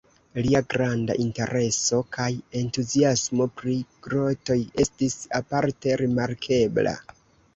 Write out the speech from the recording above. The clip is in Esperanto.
Lia granda intereso kaj entuziasmo pri grotoj estis aparte rimarkebla.